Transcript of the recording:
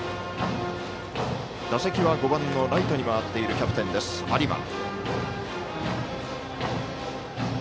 打席は５番のライトに回っているキャプテン、有馬。